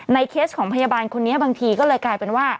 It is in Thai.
เคสของพยาบาลคนนี้บางทีก็เลยกลายเป็นว่า